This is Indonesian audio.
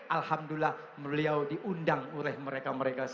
alhamdulillah beliau diundang oleh mereka mereka